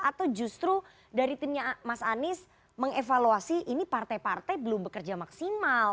atau justru dari timnya mas anies mengevaluasi ini partai partai belum bekerja maksimal